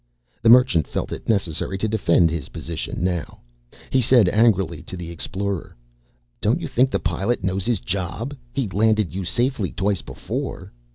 The Merchant felt it necessary to defend his position now. He said angrily to the Explorer, "Don't you think the Pilot knows his job? He landed you safely twice before."